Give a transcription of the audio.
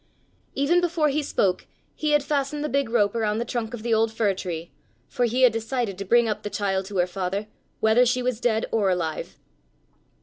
Even before he spoke he had fastened the big rope around the trunk of the old fir tree, for he had decided to bring up the child to her father, whether she was dead or alive.